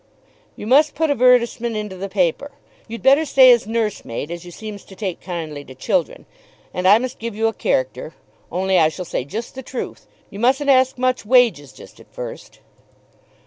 "You must put a 'vertisement into the paper. You'd better say as nursemaid, as you seems to take kindly to children. And I must give you a character; only I shall say just the truth. You mustn't ask much wages just at first."